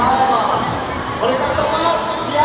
boleh tak teman biar teman juga